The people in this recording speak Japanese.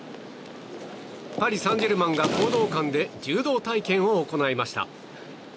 パリ・サンジェルマンが講道館で柔道体験を行いました。